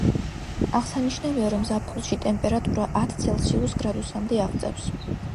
აღსანიშნავია, რომ ზაფხულში ტემპერატურა ათ ცელსიუს გრადუსამდე აღწევს.